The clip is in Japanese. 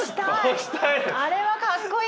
あれはかっこいい！